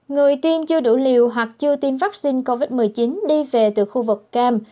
người tiêm chưa đủ liều hoặc chưa tiêm vaccine covid một mươi chín đi về từ khu vực cam